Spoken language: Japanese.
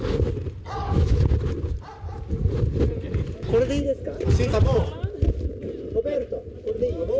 これでいいですか？